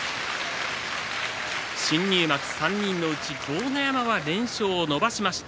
新入幕３人のうち豪ノ山は連勝を伸ばしました。